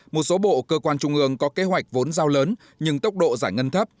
một số bộ cơ quan trung ương có kế hoạch vốn giao lớn nhưng tốc độ giải ngân thấp